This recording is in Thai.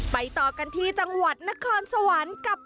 ต่อกันที่จังหวัดนครสวรรค์กับ